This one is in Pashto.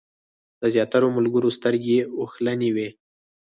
د زیاترو ملګرو سترګې اوښلنې وې.